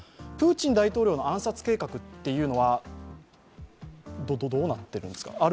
プーチン大統領の暗殺計画というのは、どうなってるんですか？